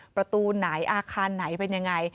ประตูไหนอาคารไหนเป็นยังไง